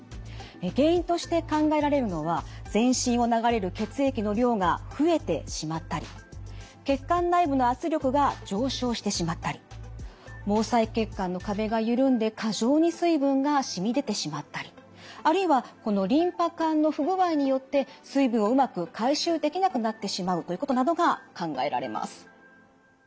原因として考えられるのは全身を流れる血液の量が増えてしまったり血管内部の圧力が上昇してしまったり毛細血管の壁が緩んで過剰に水分がしみ出てしまったりあるいはこのリンパ管の不具合によって水分をうまく回収できなくなってしまうということなどが考えられます。